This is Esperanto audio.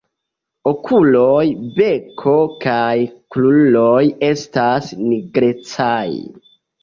Okuloj, beko kaj kruroj estas nigrecaj.